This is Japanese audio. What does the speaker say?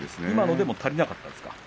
今のでも足りなかったですか。